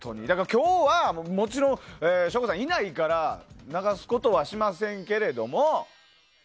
今日はもちろん省吾さんいないから流すことはしませんけれども。